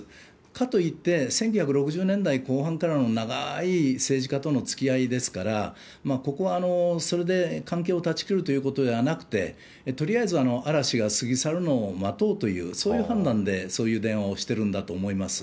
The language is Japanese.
かといって１９６０年代後半からの長い政治家とのつきあいですから、ここはそれで関係を断ち切るということではなくて、とりあえず嵐が過ぎ去るのを待とうという、そういう判断でそういう電話をしてるんだと思います。